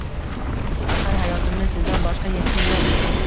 Axir, hayotimda sizdan boshqa hech kim yoʻq!